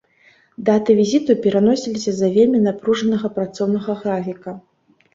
Даты візіту пераносіліся з-за вельмі напружанага працоўнага графіка.